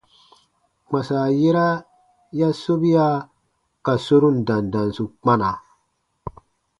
Kpãsa yera ya sobia ka sorun dandansu kpana.